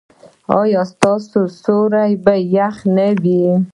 ایا ستاسو سیوري به يخ نه وي؟